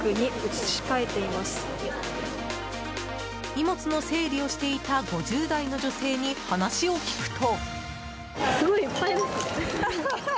荷物の整理をしていた５０代の女性に話を聞くと。